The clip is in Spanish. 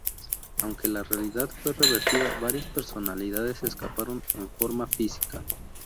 Aunque la realidad fue revertida, varias personalidades escaparon en forma física.